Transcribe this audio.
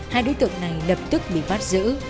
hai đối tượng này lập tức bị bắt giữ